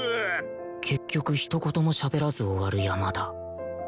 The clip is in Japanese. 結局ひと言もしゃべらず終わる山田